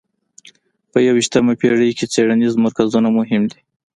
په یویشتمه پېړۍ کې څېړنیز مرکزونه مهم دي.